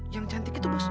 yang cantik itu bos